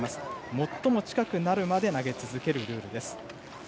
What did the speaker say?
最も近くなるまで投げ続けるルールです。